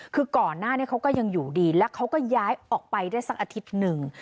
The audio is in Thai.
คือก่อนหน้านี้เขาก็ยังอยู่ดีแล้วเขาก็ย้ายออกไปได้สักอาทิตย์หนึ่ง